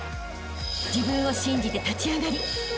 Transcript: ［自分を信じて立ち上がりあしたへ